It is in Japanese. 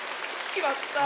きまったね。